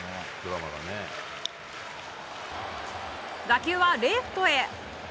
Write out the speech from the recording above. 打球はレフトへ。